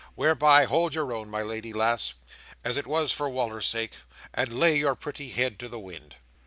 Whereby, hold your own, my lady lass, as if it was for Wal"r's sake, and lay your pretty head to the wind."